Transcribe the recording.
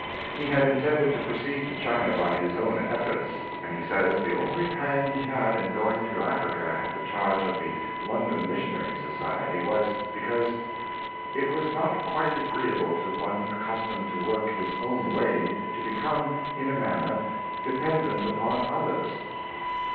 He had intended to proceed to China by his own efforts; and he says the only pang he had in going to Africa at the charge of the London Mis sionary Society was, because " it was not quite agreea ble to one accustomed to work his own way to become, in a manner, dependent upon others."